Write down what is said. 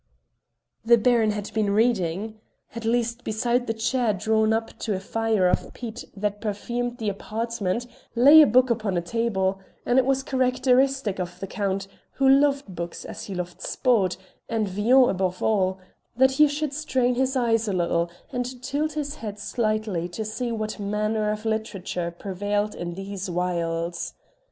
The Baron had been reading; at least beside the chair drawn up to a fire of peat that perfumed the apartment lay a book upon a table, and it was characteristic of the Count, who loved books as he loved sport, and Villon above all, that he should strain his eyes a little and tilt his head slightly to see what manner of literature prevailed in these wilds.